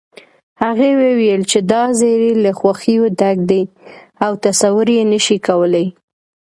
هغې وويل چې دا زيری له خوښيو ډک دی او تصور يې نشې کولی